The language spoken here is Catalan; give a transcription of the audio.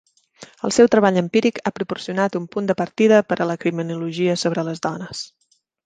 El seu treball empíric ha proporcionat un punt de partida per a la criminologia sobre les dones.